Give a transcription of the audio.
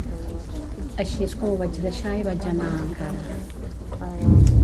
Així és com ho vaig deixar i vaig anar a Ankara.